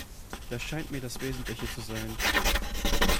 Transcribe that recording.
Das scheint mir das Wesentliche zu sein.